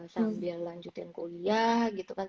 sambil lanjutin kuliah